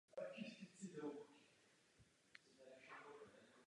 Král pak navštívil Krakov a Varšavu v doprovodu knížete Jozefa.